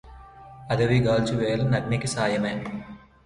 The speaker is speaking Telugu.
అడవి గాల్చు వేళ నగ్నికి సాయమై